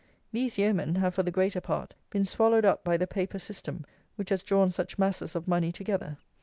These yeomen have, for the greater part, been swallowed up by the paper system which has drawn such masses of money together.